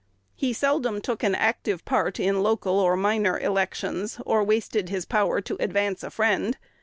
He seldom took an active part in local or minor elections, or wasted his power to advance a friend.